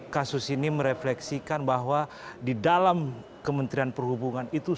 kasus ini merefleksikan bahwa di dalam kementerian perhubungan itu